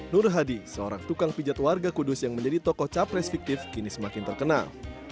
nur hadi seorang tukang pijat warga kudus yang menjadi tokoh capres fiktif kini semakin terkenal